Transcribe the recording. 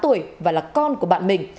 tám tuổi và là con của bạn mình